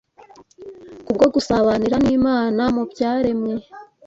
Kubwo gusabanira n’Imana mu byaremwe